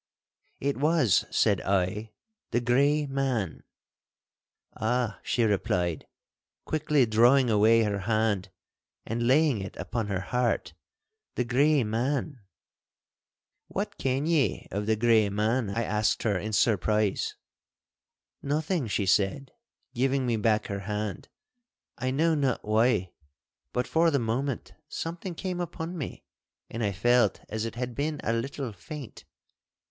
'It was,' said I, 'the Grey Man!' 'Ah,' she replied, quickly drawing away her hand, and laying it upon her heart, 'the Grey Man!' 'What ken ye of the Grey Man?' I asked her, in surprise. 'Nothing,' she said, giving me back her hand; 'I know not why, but for the moment something came upon me, and I felt as it had been a little faint.